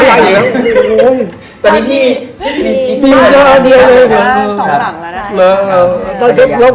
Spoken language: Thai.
ไม่ได้ครับเราไม่มีใครจ่ายเงินฉันอะไรกัน